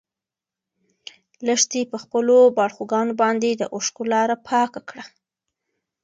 لښتې په خپلو باړخوګانو باندې د اوښکو لاره پاکه کړه.